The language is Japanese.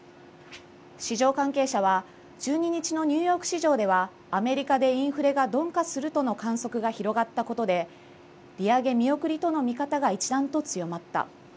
市場関係者は１２日のニューヨーク市場ではアメリカでインフレが鈍化するとの観測が広がったことで利上げ見送りとの見方が一段と強まった。